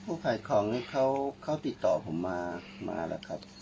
ขายของนี่เขาติดต่อผมมาแล้วครับ